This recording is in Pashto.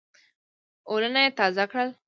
ولونه یې تازه کړل.